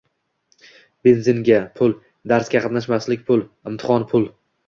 Benzinga pul, darsga qatnashmaslik pul, imtihon pul.